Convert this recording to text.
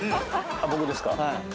僕ですか。